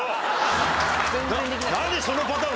何そのパターン